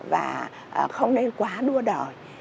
và không nên quá đua đời